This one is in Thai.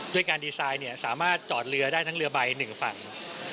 ด้วยการดีไซน์สามารถจอดเรือได้ทั้งเรือใบหนึ่งฝั่ง